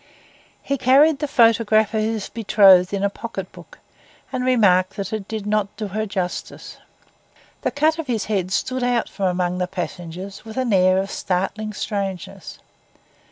He carried the photograph of his betrothed in a pocket book, and remarked that it did not do her justice. The cut of his head stood out from among the passengers with an air of startling strangeness.